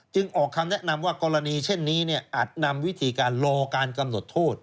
ออกคำแนะนำว่ากรณีเช่นนี้อาจนำวิธีการรอการกำหนดโทษ